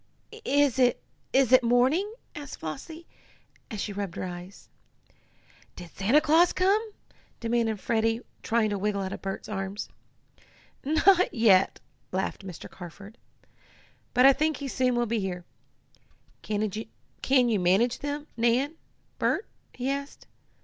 "Is it is it morning?" asked Flossie, as she rubbed her eyes. "Did Santa Claus come?" demanded Freddie, trying to wiggle out of Bert's arms. "Not yet," laughed Mr. Carford. "But I think he soon will be here. Can you manage them, Nan Bert?" he asked.